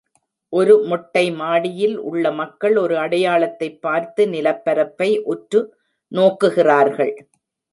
ஒரு மொட்டை மாடியில் உள்ள மக்கள் ஒரு அடையாளத்தைப் பார்த்து நிலப்பரப்பை உற்று நோக்குகிறார்கள்